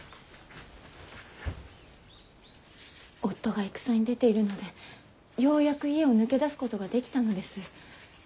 夫が戦に出ているのでようやく家を抜け出すことができたのです。